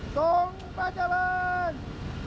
สวัสดีครับ